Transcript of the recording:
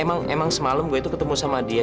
emang semalam gue itu ketemu sama dia